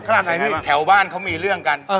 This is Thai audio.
ขนาดไหนบ้างครับแถวบ้านเค้ามีเรื่องกัน